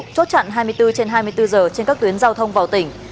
chốt chặn hai mươi bốn trên hai mươi bốn giờ trên các tuyến giao thông vào tỉnh